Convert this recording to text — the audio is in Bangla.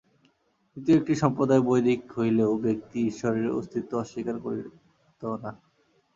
তৃতীয় একটি সম্প্রদায় বৈদিক হইলেও ব্যক্তি-ঈশ্বরের অস্তিত্ব স্বীকার করিত না।